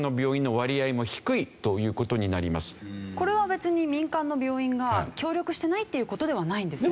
これは別に民間の病院が協力してないっていう事ではないんですよね。